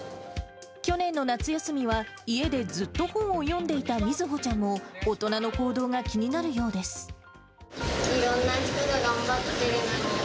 去年の夏休みは、家でずっと本を読んでいたみずほちゃんも、大人の行動が気になるようです。